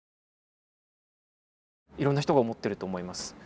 いろんな人が思ってると思います。